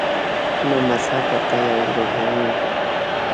نو مذهب ورته یوه روحاني